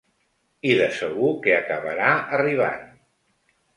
I de segur que acabarà arribant.